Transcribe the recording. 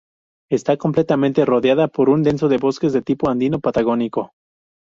Está completamente rodeada por un denso bosque de tipo andino-patagónico.